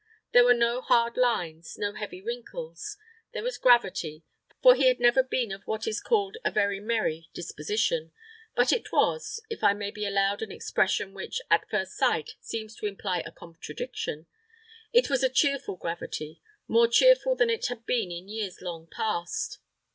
There were no hard lines, no heavy wrinkles. There was gravity, for he had never been of what is called a very merry disposition, but it was if I may be allowed an expression which, at first sight, seems to imply a contradiction it was a cheerful gravity, more cheerful than it had been in years long past.